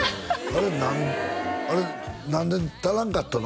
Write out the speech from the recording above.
あれあれ何で足らんかったの？